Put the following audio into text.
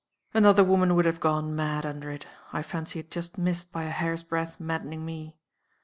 "Another woman would have gone mad under it. I fancy it just missed, by a hair's breadth, maddening Me.